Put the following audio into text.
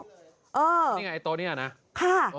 นี่ไงโต๊ะนี่น่ะนะโอ้โฮค่ะ